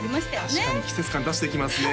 確かに季節感出してきますね